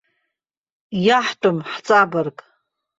Иаҳтәым, ҳҵабырг.